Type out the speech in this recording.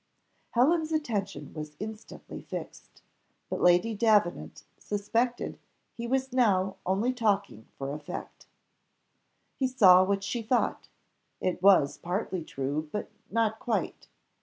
Helen's attention was instantly fixed; but Lady Davenant suspected he was now only talking for effect. He saw what she thought it was partly true, but not quite.